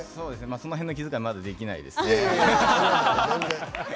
その辺の気遣いはまだできないですね。